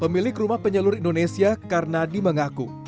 pemilik rumah penyalur indonesia karena dimengaku